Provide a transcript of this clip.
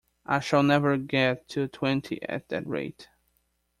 I shall never get to twenty at that rate!